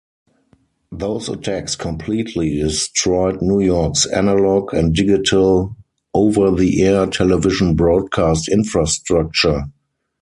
Those attacks completely destroyed New York's analog and digital over-the-air television broadcast infrastructure.